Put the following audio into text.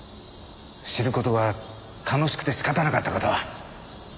知る事が楽しくて仕方なかった事は？